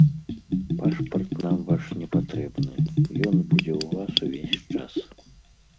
Пашпарт нам ваш не патрэбны, ён будзе ў вас увесь час.